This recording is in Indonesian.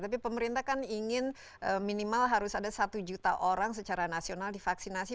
tapi pemerintah kan ingin minimal harus ada satu juta orang secara nasional divaksinasi